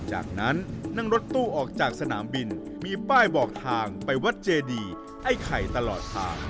จากนั้นนั่งรถตู้ออกจากสนามบินมีป้ายบอกทางไปวัดเจดีไอ้ไข่ตลอดทาง